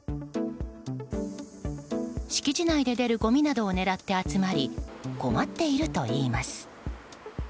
敷地内で出るごみなどを狙って集まり困っているといいます。